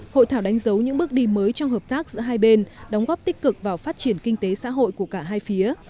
hội thảo đánh dấu những bước đi mới trong hợp tác giữa hai bên đóng góp tích cực vào phát triển kinh tế xã hội của cả hai phía